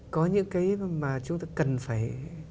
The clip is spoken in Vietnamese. có những cái mà chúng ta cần phải